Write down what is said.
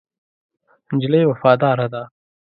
نجلۍ وفاداره ده.